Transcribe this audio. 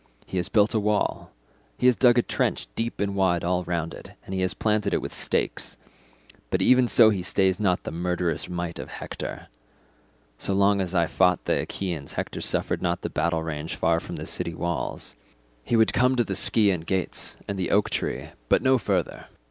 He has built a wall; he has dug a trench deep and wide all round it, and he has planted it within with stakes; but even so he stays not the murderous might of Hector. So long as I fought the Achaeans Hector suffered not the battle range far from the city walls; he would come to the Scaean gates and to the oak tree, but no further.